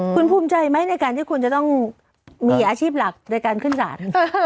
คุณภูมิใจไหมในการที่คุณจะต้องมีอาชีพหลักในการขึ้นศาล